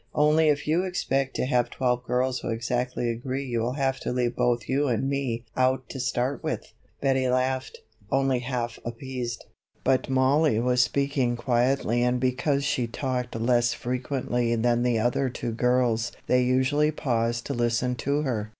Only if you expect to have twelve girls who exactly agree you will have to leave both you and me out to start with." Betty laughed, only half appeased, but Mollie was speaking quietly and because she talked less frequently than the other two girls they usually paused to listen to her.